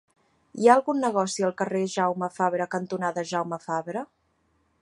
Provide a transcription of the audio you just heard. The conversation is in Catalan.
Hi ha algun negoci al carrer Jaume Fabre cantonada Jaume Fabre?